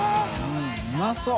Δうまそう。